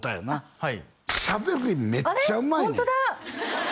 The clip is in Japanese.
はい